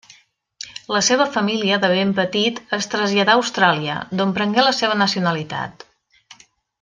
La seva família de ben petit es traslladà a Austràlia, d'on prengué la seva nacionalitat.